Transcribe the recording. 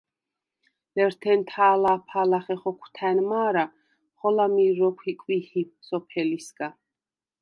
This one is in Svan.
ლერთენ თა̄ლა̄ფა ლახე ხოქვთა̈ნ მა̄რა, ხოლა მირ როქვ იკვიჰი სოფელისგა.